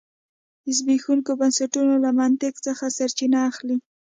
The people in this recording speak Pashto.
د زبېښونکو بنسټونو له منطق څخه سرچینه اخلي.